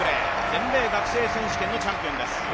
全米学生選手権のチャンピオンです。